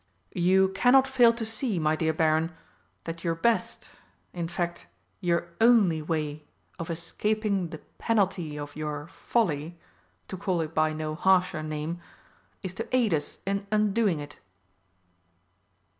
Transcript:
You cannot fail to see, my dear Baron, that your best in fact, your only way of escaping the penalty of your folly to call it by no harsher name is to aid us in undoing it."